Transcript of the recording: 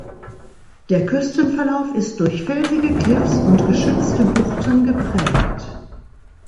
Der Küstenverlauf ist durch felsige Kliffs und geschützte Buchten geprägt.